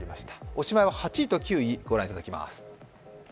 おしまいは８位と９位、ご覧いただきます。